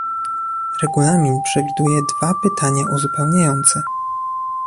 Regulamin przewiduje dwa pytania uzupełniające